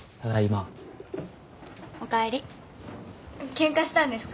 ケンカしたんですか？